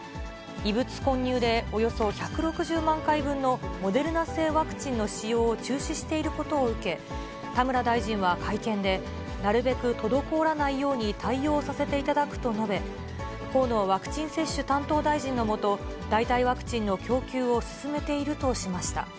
異物混入で、およそ１６０万回分のモデルナ製ワクチンの使用を中止していることを受け、田村大臣は会見で、なるべく滞らないように対応させていただくと述べ、河野ワクチン接種担当大臣の下、代替ワクチンの供給を進めているとしました。